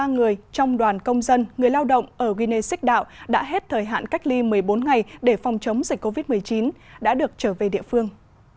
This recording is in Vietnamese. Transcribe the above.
một trăm tám mươi ba người trong đoàn công dân người lao động ở guinness xích đạo đã hết thời hạn cách ly một mươi bốn ngày để phòng chống dịch covid một mươi chín đã được trở về địa phương